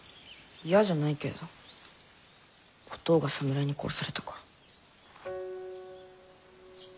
嫌じゃないけどおとうが侍に殺されたから。